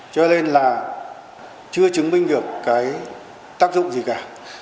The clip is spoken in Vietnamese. cho nên là chưa chứng minh được cái tác dụng gì cả